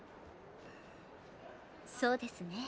そうですね。